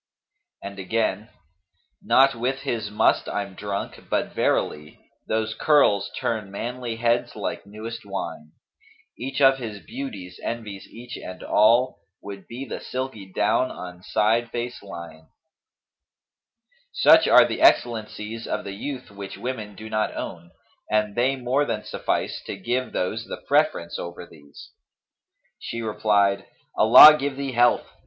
'[FN#239] And again, 'Not with his must I'm drunk, but verily * Those curls turn manly heads like newest wine[FN#240] Each of his beauties envies each, and all * Would be the silky down on side face li'en.' Such are the excellencies of the youth which women do not own, and they more than suffice to give those the preference over these.' She replied, 'Allah give thee health!